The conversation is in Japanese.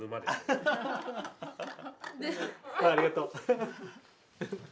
ありがとう。